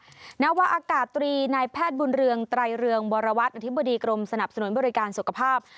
หน้าวะอากาศตรีนายแพทย์บุญเรืองไตรเรืองวรวัตรอธิบดีกรมสนับสนุนบริการสุขภาพ